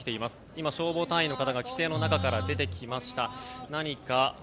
今、消防隊員の方が規制線の中から出てきました。